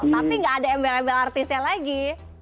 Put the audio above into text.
tapi nggak ada embel embel artisnya lagi